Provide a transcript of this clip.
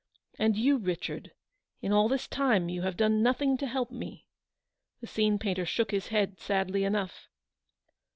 And you, Richard, in all this time you have done nothing to help me." The scene painter shook his head sadly enough.